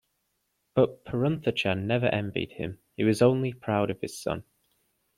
But, Perunthachan never envied him, he was only proud of his son.